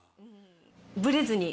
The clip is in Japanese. ブレずに。